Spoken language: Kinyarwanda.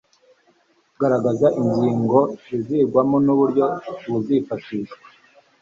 garagaza ingingo zizigirwamo n'uburyo buzifashishwa